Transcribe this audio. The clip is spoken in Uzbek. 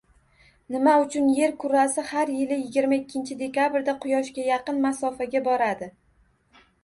Nima uchun Yer kurrasi har yili yigirma ikkinchi dekabrda Quyoshga yaqin masofaga boradi